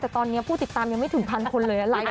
แต่ตอนนี้ผู้ติดตามยังไม่ถึงพันคนเลย